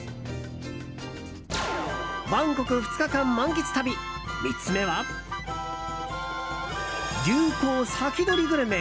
バンコク２日間満喫旅、３つ目は流行先取りグルメ！